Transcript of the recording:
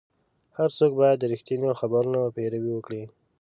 هر څوک باید د رښتینو خبرونو پیروي وکړي.